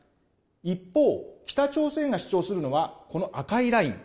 一方、北朝鮮が主張するのは赤いライン